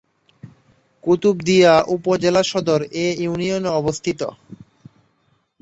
কুতুবদিয়া উপজেলা সদর এ ইউনিয়নে অবস্থিত।